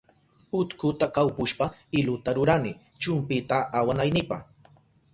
Utkuta kawpushpa iluta rurani chumpita awanaynipa.